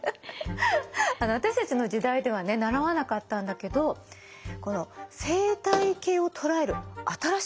あの私たちの時代ではね習わなかったんだけどこの生態系を捉える新しい考え方なの。